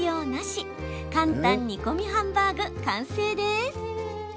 簡単煮込みハンバーグ完成です。